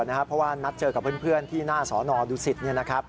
เพราะว่านัดเจอกับเพื่อนที่หน้าสอนอดุสิต